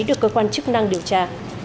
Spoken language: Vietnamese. được cơ quan chức năng điều tra